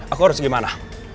aku harus gimana